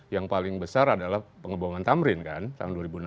yang paling besar adalah pengebongan tamrin kan tahun dua ribu enam belas